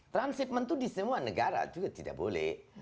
transhipment itu di semua negara juga tidak boleh